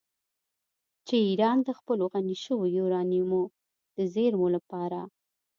چې ایران د خپلو غني شویو یورانیمو د زیرمو لپاره